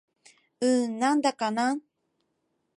うーん、なんだかなぁ